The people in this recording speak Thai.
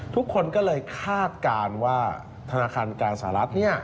ทุกคนก็เลยคาดการณ์ว่าธนาคารกลางสหรัฐ